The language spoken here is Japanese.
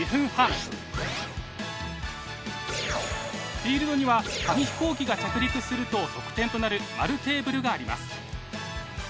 フィールドには紙飛行機が着陸すると得点となる円テーブルがあります。